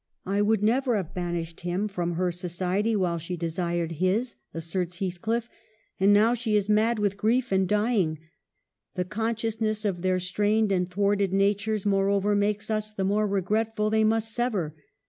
" I would never have banished him from her society, while she desired his," asserts Heathcliff, and now she is mad with grief and dying. The consciousness of their strained and thwarted na tures, moreover, makes us the more regretful they must sever.